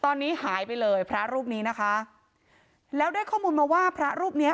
ตอนนี้หายไปเลยพระรูปนี้นะคะแล้วได้ข้อมูลมาว่าพระรูปเนี้ย